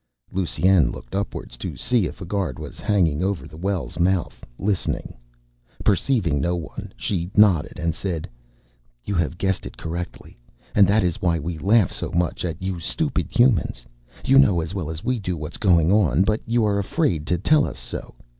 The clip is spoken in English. Lusine looked upwards to see if a guard was hanging over the well's mouth listening. Perceiving no one, she nodded and said, "You have guessed it correctly. And that is why we laugh so much at you stupid Humans. You know as well as we do what's going on, but you are afraid to tell us so.